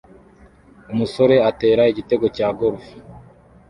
Umusore atera igitego cya -golf